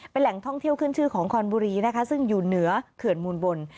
เป็นแหล่งท่องเที่ยวขึ้นชื่อของคอนบุรีนะคะซึ่งอยู่เหนือเขื่อนมูลบน